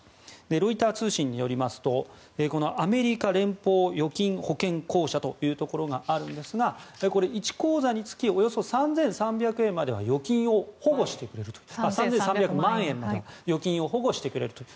ロイター通信によりますとアメリカ連邦預金保険公社というところがあるんですが１口座につきおよそ３３００万円までは預金を保護してくれるという。